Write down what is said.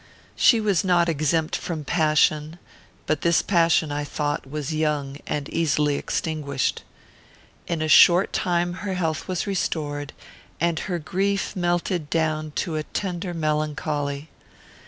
She was not exempt from passion, but this passion, I thought, was young, and easily extinguished. In a short time her health was restored, and her grief melted down into a tender melancholy.